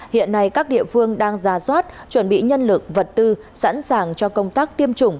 hiện nay các địa phương đang ra soát chuẩn bị nhân lực vật tư sẵn sàng cho công tác tiêm chủng